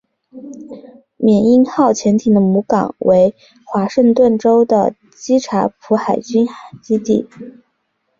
缅因号潜艇的母港为华盛顿州的基察普海军基地。